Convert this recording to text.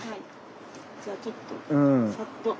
じゃあちょっとサッと。